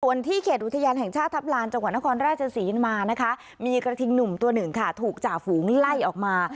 ในส่วนที่เขตอุทยานแห่งชาติทัพลานจังหวัญนครรกษ์ราชสียินมามีกระทิกหนุ่มตัวหนึ่งถูกจากฝูงไล่ออกมา